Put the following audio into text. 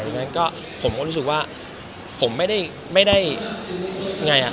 ด้วยงั้นก็ผมก็รู้สึกว่าผมไม่ได้ไม่ได้ไงอ่ะ